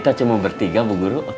jadi masih ada tabung sentiments